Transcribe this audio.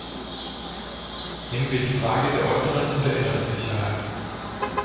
Nehmen wir die Frage der äußeren und der inneren Sicherheit.